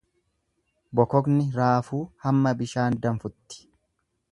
Bokokni raafuu hamma bishaan danfutti.